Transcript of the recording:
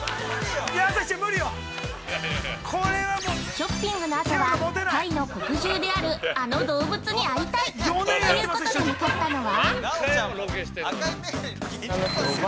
◆ショッピングのあとは、タイの国獣である、あの動物に会いたいということで、向かったのは。